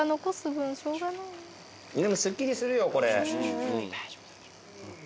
でもすっきりするよ、これ。